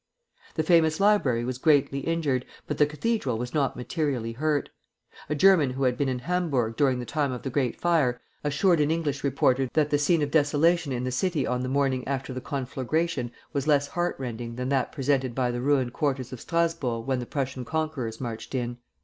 The famous library was greatly injured, but the cathedral was not materially hurt. A German who had been in Hamburg during the time of the great fire, assured an English reporter that the scene of desolation in that city on the morning after the conflagration was less heart rending than that presented by the ruined quarters of Strasburg when the Prussian conquerors marched in.